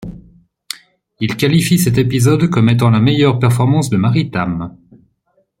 Il qualifie cet épisode comme étant la meilleure performance de Mary Tamm.